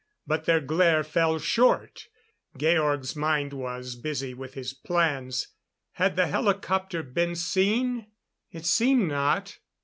But their glare fell short. Georg's mind was busy with his plans. Had the helicopter been seen? It seemed not.